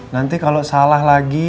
nanti kalau salah lagi